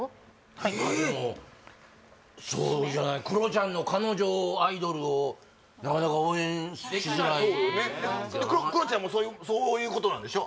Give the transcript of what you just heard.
そうじゃないクロちゃんの彼女アイドルをなかなか応援しづらいクロちゃんもそういうことなんでしょ？